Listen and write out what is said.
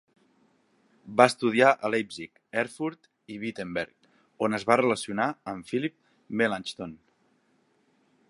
Va estudiar a Leipzig, Erfurt i Wittenberg, on es va relacionar amb Philipp Melanchthon.